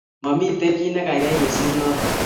Mamito kiy ne kaikai kosir notok